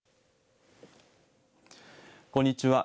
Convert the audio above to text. こんにちは。